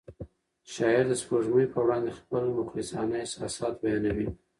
شاعر د سپوږمۍ په وړاندې خپل مخلصانه احساسات بیانوي.